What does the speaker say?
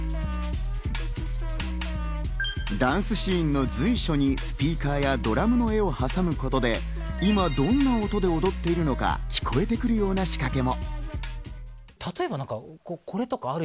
ダンスシーンの随所にスピーカーやドラムの絵を挟むことで、今どんな音で踊っているのか、聴こえてくるような仕掛けも。